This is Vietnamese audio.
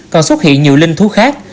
còn xuất hiện nhiều linh thú khác